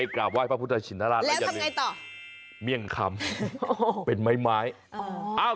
คุณรู้ทุกอย่าง